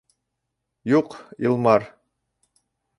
Юҡ, Илмар!..